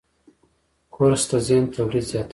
کورس د ذهن تولید زیاتوي.